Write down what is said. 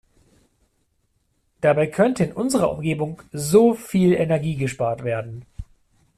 Dabei könnte in unserer Umgebung so viel Energie gespart werden.